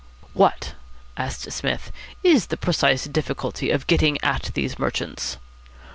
"What," asked Psmith, "is the precise difficulty of getting at these merchants?"